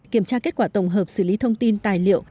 kiểm tra kết quả tổng hợp xử lý thông tin tài liệu